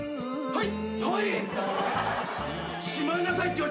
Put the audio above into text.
はい！